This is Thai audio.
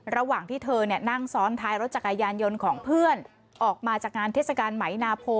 ระหว่างที่เธอนั่งซ้อนท้ายรถจักรยานยนต์ของเพื่อนออกมาจากงานเทศกาลไหมนาโพ